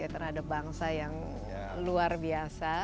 terhadap bangsa yang luar biasa